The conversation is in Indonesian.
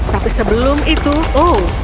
tapi sebelum itu oh